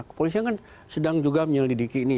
kepolisian kan sedang juga menyelidiki ini